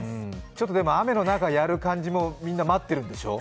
ちょっとでも、雨の中やる感じもみんな待ってるんでしょう？